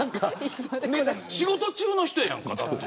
仕事中の人やんか、だって。